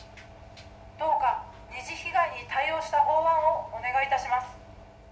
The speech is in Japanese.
どうか二次被害に対応した法案をお願いいたします。